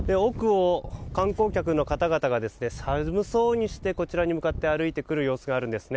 観光客の方々が寒そうにしてこちらに向かって歩いてくる様子があるんですね。